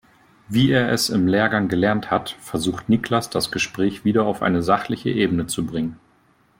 Wie er es im Lehrgang gelernt hat, versucht Niklas das Gespräch wieder auf eine sachliche Ebene zu bringen.